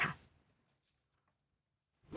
เอาไงด้วย